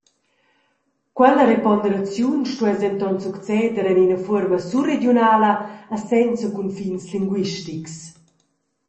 Quella reponderaziun stuess denton succeder en ina fuorma surregiunala e senza cunfins linguistics.